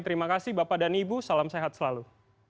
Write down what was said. terima kasih bapak dan ibu salam sehat selalu